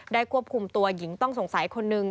ควบคุมตัวหญิงต้องสงสัยคนหนึ่ง